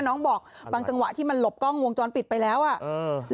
น้องบอกบางจังหวะที่มันหลบกล้องวงจรปิดไปแล้วอ่ะเออ